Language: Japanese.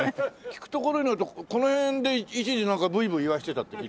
聞くところによるとこの辺で一時なんかブイブイ言わしてたって聞いて。